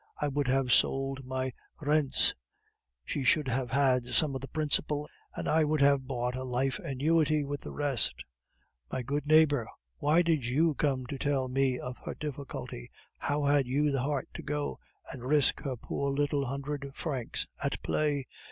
I would have sold my rentes; she should have had some of the principal, and I would have bought a life annuity with the rest. My good neighbor, why did not you come to tell me of her difficulty? How had you the heart to go and risk her poor little hundred francs at play?